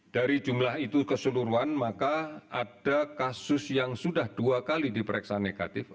dari jumlah itu keseluruhan maka ada kasus yang sudah dua kali diperiksa negatif